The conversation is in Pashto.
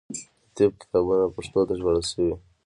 د طب کتابونه پښتو ته ژباړل شوي.